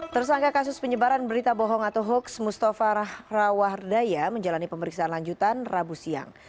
tersangka kasus penyebaran berita bohong atau hoaks mustafa rawardaya menjalani pemeriksaan lanjutan rabu siang